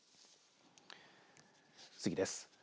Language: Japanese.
次です。